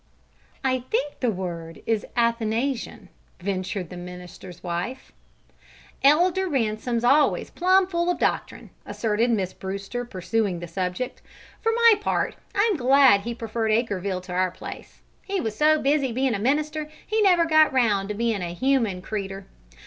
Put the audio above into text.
"I think the word is Athanasian," ventured the minister's wife. "Elder Ransom's always plumb full o' doctrine," asserted Miss Brewster, pursuing the subject. "For my part, I'm glad he preferred Acreville to our place. He was so busy bein' a minister, he never got round to bein' a human creeter.